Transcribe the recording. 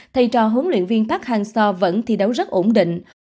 thầy trò huấn luyện viên park hang seo vẫn thi đấu rất ổn định